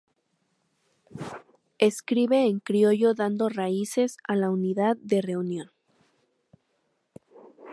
Escribe en criollo, dando raíces a la unidad de Reunión.